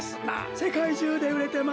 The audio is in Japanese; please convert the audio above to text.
せかいじゅうでうれてますぞ。